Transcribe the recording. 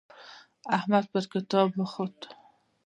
احمد پر کتاب وخوت.